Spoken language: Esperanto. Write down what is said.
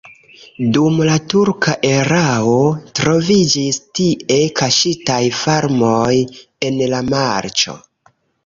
Dum la turka erao troviĝis tie kaŝitaj farmoj en la marĉo.